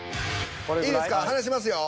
いいですか離しますよ。